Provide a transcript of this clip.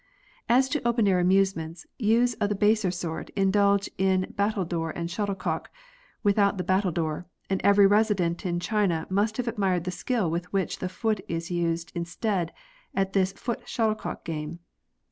As to open air amusements, youths of the baser sort indulge in battledore and shuttlecock with out the battledore, and every resident in China must have admired the skill with wliich the foot is used in stead, at this foot shuttlecock game.